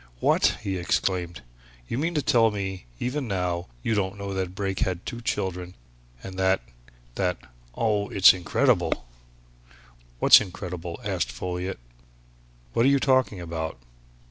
"What!" he exclaimed. "You mean to tell me that, even now, you don't know that Brake had two children, and that that oh, it's incredible!" "What's incredible?" asked Folliot. "What are you talking about?"